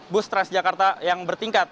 bus transjakarta yang bertingkat